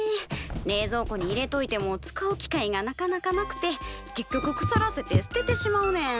冷蔵庫に入れといても使う機会がなかなかなくて結局くさらせて捨ててしまうねん。